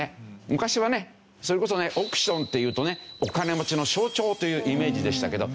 昔はねそれこそね億ションっていうとねお金持ちの象徴というイメージでしたけど